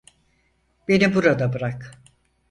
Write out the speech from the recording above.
Beni burada bırak.